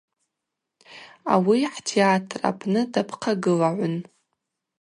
Ауи хӏтеатр апны дапхъагылагӏвын.